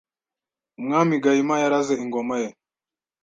Umwami Gahima yaraze ingoma ye